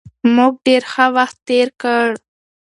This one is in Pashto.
موږ ډېر ښه وخت تېر کړ.